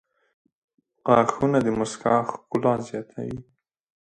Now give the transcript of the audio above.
• غاښونه د مسکا ښکلا زیاتوي.